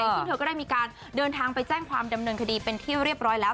ซึ่งเธอก็ได้มีการเดินทางไปแจ้งความดำเนินคดีเป็นที่เรียบร้อยแล้ว